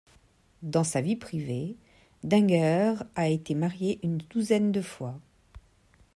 Dans sa vie privée, Denger a été marié une douzaine de fois.